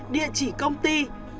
địa chỉ công ty